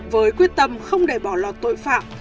với quyết tâm không để bỏ lọt tội phạm